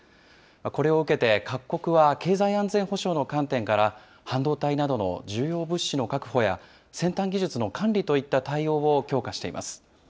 これを受けて、各国は経済安全保障の観点から、半導体などの重要物資の確保や先端技術の管理といった対応を強化しています。